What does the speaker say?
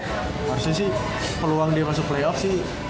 harusnya sih peluang dia masuk playoff sih